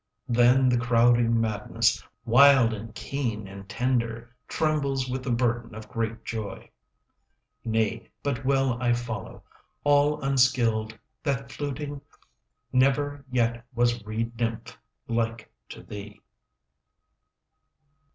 Then the crowding madness, Wild and keen and tender, Trembles with the burden Of great joy. 20 Nay, but well I follow, All unskilled, that fluting. Never yet was reed nymph Like to thee.